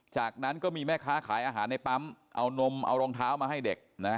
จากนั้นก็มีแม่ค้าขายอาหารในปั๊มเอานมเอารองเท้ามาให้เด็กนะ